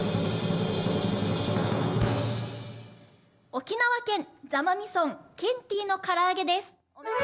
沖縄県座間味村、ケンティのからあげです。